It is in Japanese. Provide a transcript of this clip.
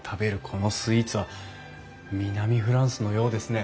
このスイーツは南フランスのようですね！